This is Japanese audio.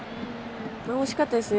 惜しかったですね。